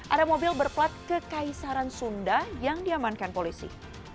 ada mobil berplat ke kaisaran sunda yang diamankan polisi